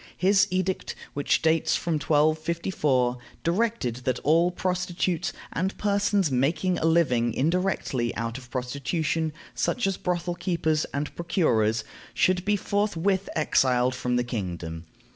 His edict, which dates from 1254, directed that all prostitutes, and persons making a living indirectly out of prostitution, such as brothel keepers and procurers, should be forthwith exiled from the kingdom.